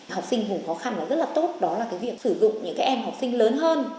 học sinh vùng khó khăn là rất là tốt đó là cái việc sử dụng những cái em học sinh lớn hơn